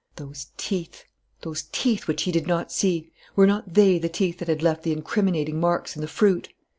Those teeth, those teeth which he did not see, were not they the teeth that had left the incriminating marks in the fruit?